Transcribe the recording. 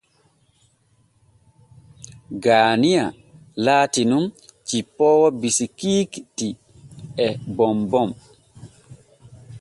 Gaaniya laati nun cippoowo bisikiiiti e bombom.